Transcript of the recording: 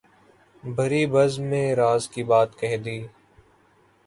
بھری بزم میں راز کی بات کہہ دی